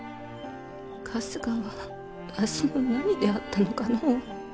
春日はわしの何であったのかの。